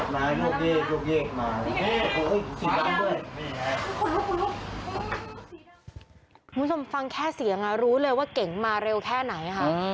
คุณผู้ชมฟังแค่เสียงรู้เลยว่าเก๋งมาเร็วแค่ไหนค่ะ